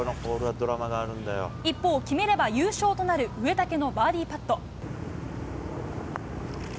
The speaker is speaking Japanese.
一方、決めれば優勝となる植竹のバーディーパット。